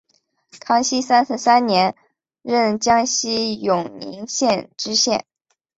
康熙三十三年任江西永宁县知县。